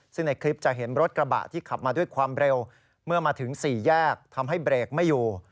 ซึ่งในคลิปจะเห็นรถกระบะที่ขับมาด้วยความเร็วเมื่อมาถึง๔แยกทำให้เบรกไม่อยู่